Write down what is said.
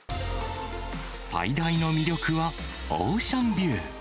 最大の魅力は、オーシャンビュー。